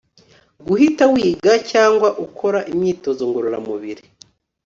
Guhita wiga cyangwa ukora imyitozo ngororamubiri